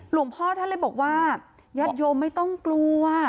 หลวงพ่อท่านเลยบอกว่าญาติโยมไม่ต้องกลัว